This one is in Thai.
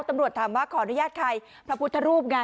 ตำรวจถามว่าขออนุญาตใครพระพุทธรูปไง